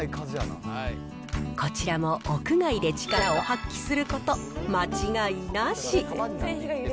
こちらも屋外で力を発揮すること間違いなし。